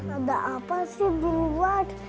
ada apa sih dulu buat